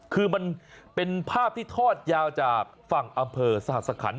คือมันเป็นภาพที่ทอดยาวจากฝั่งอำเภอสหสคัญ